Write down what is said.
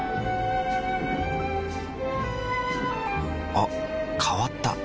あ変わった。